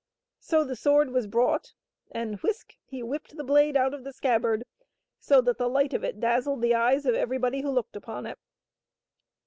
So the sword was brought and — whisk !— ^he whipped the blade out of the scabbard so that the light of it dazzled the eyes of everybody that looked upon it.